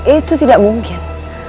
itu tidak mungkin